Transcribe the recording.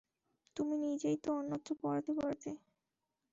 তুমি নিজেই তো অন্যত্র পড়াতে পড়াতে?